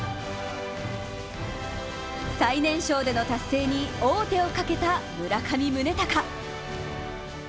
最年少での達成に、王手をかけた村上宗隆。